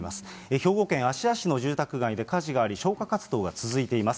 兵庫県芦屋市の住宅街で火事があり、消火活動が続いています。